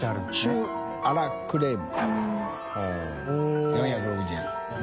シューアラクレーム」曚４６０円。